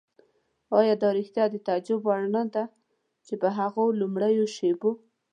آیا دا په رښتیا د تعجب وړ نه ده چې په هغو لومړیو شېبو.